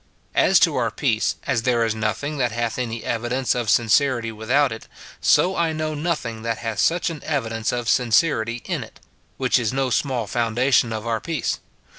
As to our peace ; as there is nothing that hath any evidence of sincerity without it, so I know nothing that hath such an evidence of sincerity in it ;— which is no small foundation of our peace.